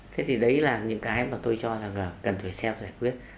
thế thì đấy là những cái mà tôi cho rằng là cần phải xem giải quyết